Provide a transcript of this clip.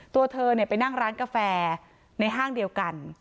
ตัวเธอไปนั่งร้านกาแฟในห้างเดียวกัน